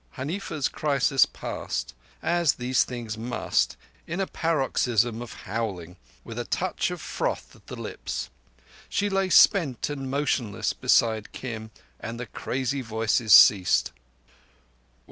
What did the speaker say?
Huneefa's crisis passed, as these things must, in a paroxysm of howling, with a touch of froth at the lips. She lay spent and motionless beside Kim, and the crazy voices ceased.